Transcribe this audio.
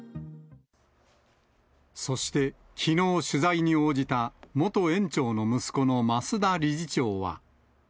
そして、きのう取材に応じた、元園長の息子の増田理事長は。